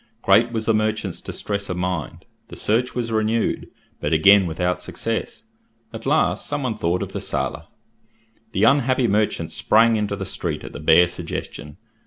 Great was the merchant's distress of mind. The search was renewed, but again without success. At last some one thought of the sailor. The unhappy merchant sprang into the street at the bare suggestion.